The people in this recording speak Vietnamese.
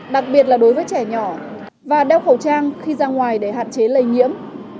đặc biệt là đối với trẻ nhỏ và đeo khẩu trang khi ra ngoài để hạn chế lây nhiễm